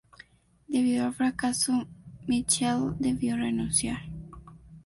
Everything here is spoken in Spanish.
Debido al fracaso, Mitchell debió renunciar.